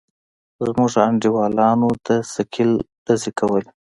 زموږ انډيوالانو د ثقيل ډزې کولې.